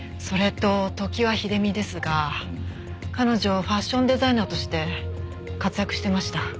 それと常盤秀美ですが彼女ファッションデザイナーとして活躍してました。